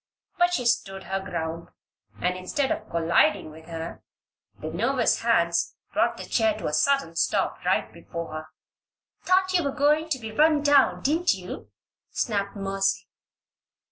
But she stood her ground and instead of colliding with her, the nervous hands brought the chair to a sudden stop right before her. "Thought you were going to be run down; didn't you?" snapped Mercy.